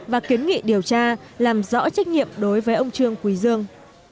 và kiến nghị điều tra làm rõ trách nhiệm đối với ông trương quý dương